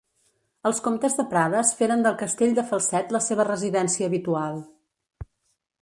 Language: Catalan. Els comtes de Prades feren del castell de Falset la seva residència habitual.